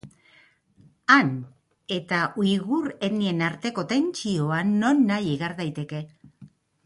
Han eta uigur etnien arteko tentsioa nonahi igar daiteke.